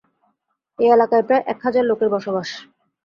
এ এলাকায় প্রায় এক হাজার লোকের বসবাস।